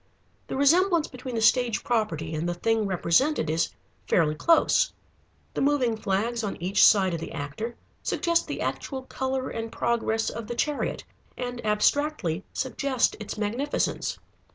The resemblance between the stage property and the thing represented is fairly close. The moving flags on each side of the actor suggest the actual color and progress of the chariot, and abstractly suggest its magnificence.